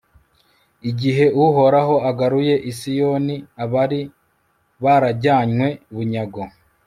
igihe uhoraho agaruye i siyoni abari barajyanywe bunyago